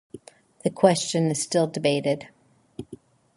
The question is still debated.